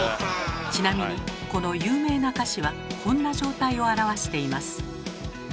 ちなみにこの有名な歌詞はこんな状態を表しています。